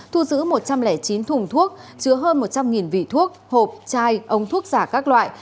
thu giữ một trăm linh chín thùng thuốc chứa hơn một trăm linh vỉ thuốc hộp chai ống thuốc giả các loại